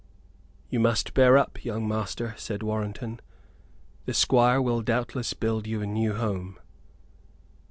"You must bear up, young master," said Warrenton; "the Squire will doubtless build you a new home."